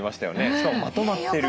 しかもまとまってる。